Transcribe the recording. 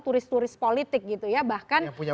turis turis politik gitu ya bahkan